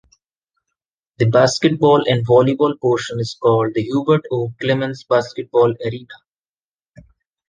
The basketball and volleyball portion is called the Hubert O. Clemmons Basketball Arena.